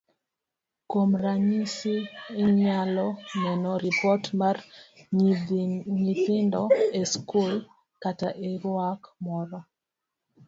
Kuom ranyisi, inyalo neno ripot mar nyithindo e skul kata e riwruok moro.